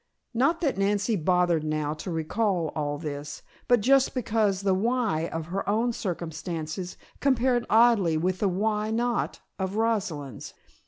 Not that Nancy bothered now to recall all this, but just because the "why" of her own circumstances compared oddly with the "why not" of Rosalind's.